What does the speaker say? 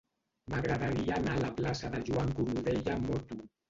M'agradaria anar a la plaça de Joan Cornudella amb moto.